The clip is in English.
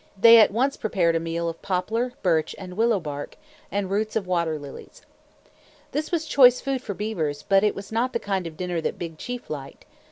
They at once prepared a meal of poplar, birch and willow bark, and roots of water lilies. This was choice food for beavers, but it was not the kind of dinner that Big Chief liked.